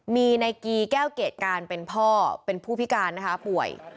มีนายกีแก้วเกรดการเป็นพ่อเป็นผู้พิการนะคะป่วย